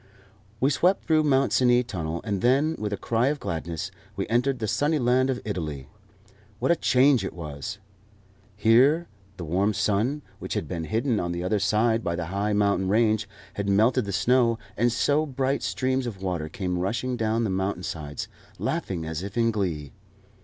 We swept through Mont Cenis Tunnel, and then, with a cry of gladness, we entered the sunny land of Italy. What a change it was! Here the warm sun, which had been hidden on the other side by the high mountain range, had melted the snow, and so bright streams of water came rushing down the mountain sides, laughing as if in glee.